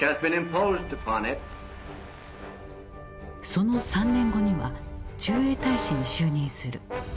その３年後には駐英大使に就任する。